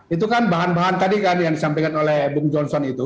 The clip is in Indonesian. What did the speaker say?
itu kan bahan bahan tadi kan yang disampaikan oleh bung johnson itu